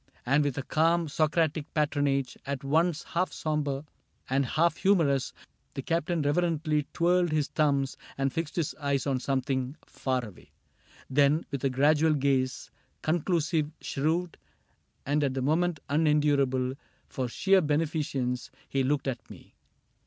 lo CAPTAIN CRAIG And with a calm Socratic patronage, At once half sombre and half humorous, The Captain reverently twirled his thumbs And fixed his eyes on something far away ; Then, with a gradual gaze, conclusive, shrewd. And at the moment unendurable For sheer beneficence, he looked at me.